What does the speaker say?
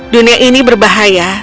dunia ini berbahaya